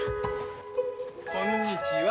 こんにちは。